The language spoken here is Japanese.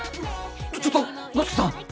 ちょっと五色さん！